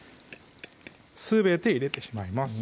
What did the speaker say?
すべて入れてしまいます